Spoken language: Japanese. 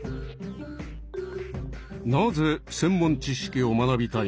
なぜ専門知識を学びたいの？